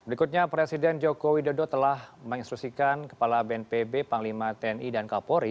berikutnya presiden joko widodo telah menginstrusikan kepala bnpb panglima tni dan kapolri